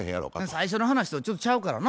最初の話とちょっとちゃうからな。